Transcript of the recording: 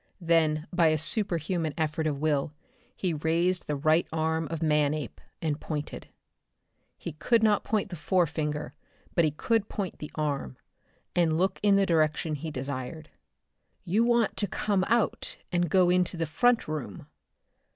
Then by a superhuman effort of will he raised the right arm of Manape and pointed. He could not point the forefinger, but he could point the arm and look in the direction he desired. "You want to come out and go into the front room?"